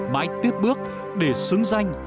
mãi tiếp bước để xứng danh